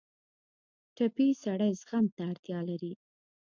ټپي سړی زغم ته اړتیا لري.